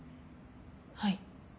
はい。